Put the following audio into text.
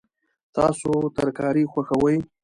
تاسو ترکاري خوښوئ؟